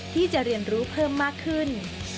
ที่จะเรียนรู้เพิ่มมากขึ้น